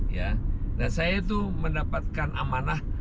ya nah saya itu mendapatkan amanah